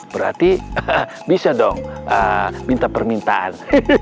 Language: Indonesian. berarti bisa dong minta permintaan